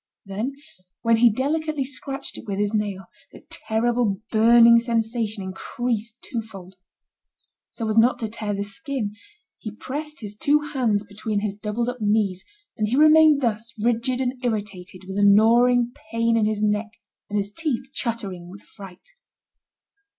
Then, when he delicately scratched it with his nail, the terrible burning sensation increased twofold. So as not to tear the skin, he pressed his two hands between his doubled up knees, and he remained thus, rigid and irritated, with the gnawing pain in his neck, and his teeth chattering with fright.